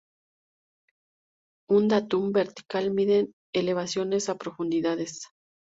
Un datum vertical miden elevaciones o profundidades.